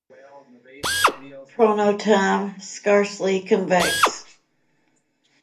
Pronotum scarcely convex.